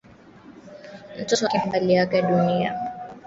Dalili ya ugonjwa wa ndorobo ni wanyama kula vitu visivyofaa mfano mifupa